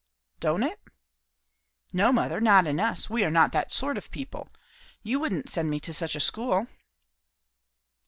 "Don't it?" "No, mother, not in us. We are not that sort of people. You wouldn't send me to such a school?"